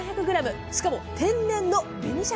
しかも天然の紅鮭。